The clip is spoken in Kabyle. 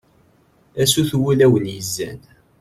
a sut n wulawen yezzan